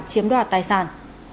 chiếm đoạt tài sản